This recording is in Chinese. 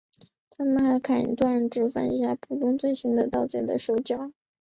他们还砍断只犯下普通罪行的盗贼的手脚。